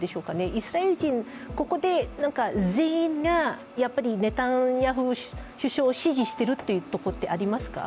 イスラエル人、ここで全員がネタニヤフ首相を支持しているというところはありますか？